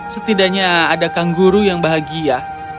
setidaknya ada kang guru yang bahagia